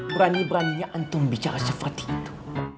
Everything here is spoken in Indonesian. berani beraninya antung bicara seperti itu